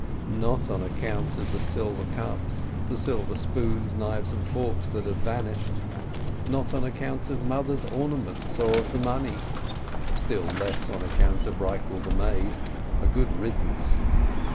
Not on account of the silver cups, the silver spoons, knives, and forks that have vanished; not on account of mother's ornaments or of the money, still less on account of Rikel the maid, a good riddance!